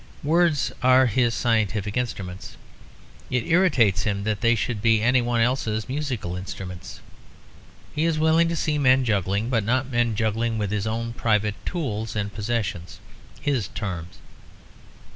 Words are his scientific instruments. It irritates him that they should be anyone else's musical instruments. He is willing to see men juggling, but not men juggling with his own private tools and possessions his terms.